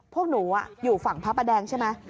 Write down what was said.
พวกหนูอยู่ฝั่งพระประแดงใช่ไหม